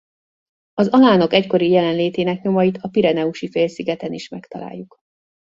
Az alánok egykori jelenlétének nyomait a Pireneusi-félszigeten is megtaláljuk.